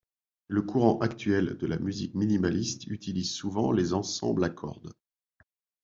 Le courant, actuel, de la musique minimaliste utilise souvent les ensembles à cordes.